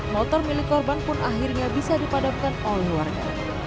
motor milik korban pun akhirnya bisa dipadamkan oleh warga